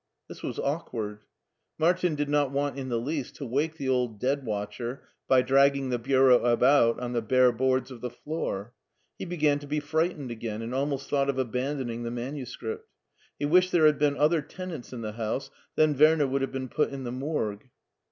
This was awkward. Martin did not want in the least to wake the old dead watcher by dragging the bureau about on the bare boards of the floor. He began to be frightened again, and almost thought of abandoning the manuscript. He wished there had been other ten ants in the house, then Werner would have been put in the Morgue.